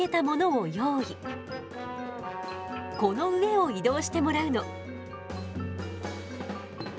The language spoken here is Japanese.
この上を移動してもらうの。